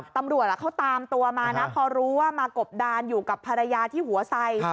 ตำรวจเขาตามตัวมานะพอรู้ว่ามากบดานอยู่กับภรรยาที่หัวไส